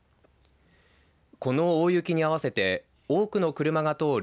この大雪に合わせて多くの車が通る